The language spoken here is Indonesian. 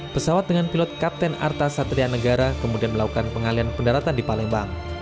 pesawat dengan pilot kapten arta satria negara kemudian melakukan pengalian pendaratan di palembang